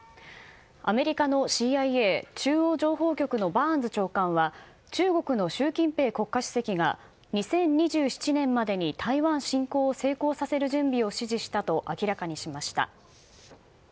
アメリカのＣＩＡ・中央情報局のバーンズ長官は中国の習近平国家主席が２０２７年までに台湾侵攻を成功させる準備を指示したと明らかにしました。